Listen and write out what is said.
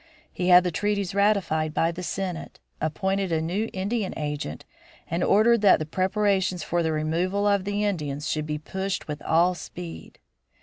He had the treaties ratified by the Senate, appointed a new Indian agent, and ordered that preparations for the removal of the Indians should be pushed with all speed.